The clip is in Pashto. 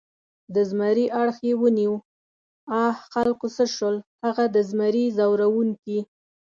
د زمري اړخ یې ونیو، آ خلکو څه شول هغه د زمري ځوروونکي؟